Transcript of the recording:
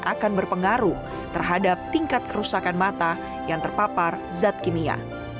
akan berpengaruh terhadap tingkat kerusakan mata yang terpapar zat kimia